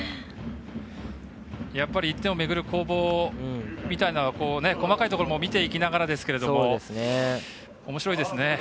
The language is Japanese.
やっぱり１点をめぐる攻防みたいなものは細かいところも見ていきながらですけどおもしろいですね。